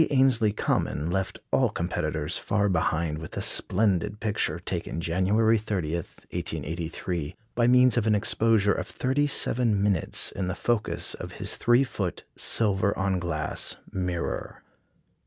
Ainslie Common left all competitors far behind with a splendid picture, taken January 30, 1883, by means of an exposure of thirty seven minutes in the focus of his 3 foot silver on glass mirror.